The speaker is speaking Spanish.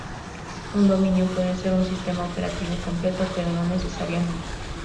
Un dominio puede ser un Sistema Operativo completo, pero no necesariamente.